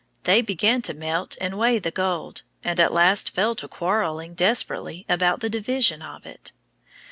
They began to melt and weigh the gold, and at last fell to quarreling desperately about the division of it.